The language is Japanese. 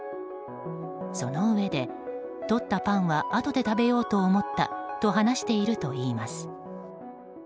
そのうえで、とったパンはあとで食べようと思ったと話しているといいます。